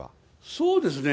そうですね。